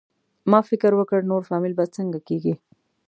ما فکر وکړ نور فامیل به څنګه کېږي؟